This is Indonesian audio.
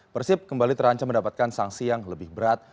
persib kembali terancam mendapatkan sanksi yang lebih berat